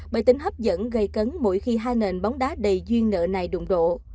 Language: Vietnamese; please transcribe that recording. bởi tính hấp dẫn gây cấn mỗi khi hai nền bóng đá đầy duyên nợ này đụng độ